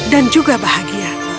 dan juga bahagia